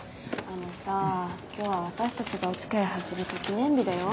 あのさ今日は私たちがおつきあい始めた記念日だよ。